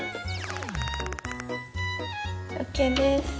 ＯＫです。